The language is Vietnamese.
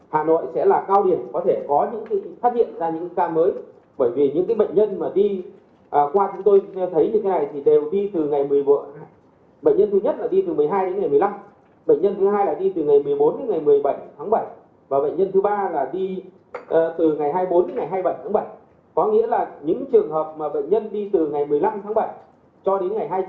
hà nội sẽ là cao điểm có thể phát hiện ra những ca mới bởi vì những bệnh nhân mà đi qua chúng tôi thấy như thế này thì đều đi từ ngày một mươi hai đến ngày một mươi năm